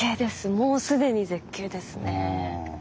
もう既に絶景ですね。